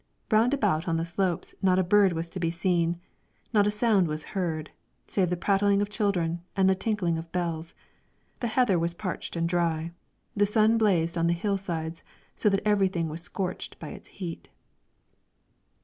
Round about on the slopes not a bird was to be seen, not a sound was heard, save the prattling of children and the tinkling of bells; the heather was parched and dry, the sun blazed on the hill sides, so that everything was scorched by its heat.